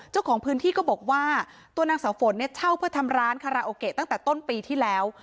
เจ้าของพื้นที่ก็บอกว่าตัวนางสาวฝนเนี่ยเช่าเพื่อทำร้านคาราโอเกะตั้งแต่ต้นปีที่แล้ว